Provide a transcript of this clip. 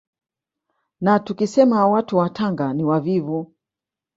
Na tukisema watu wa Tanga ni wavivu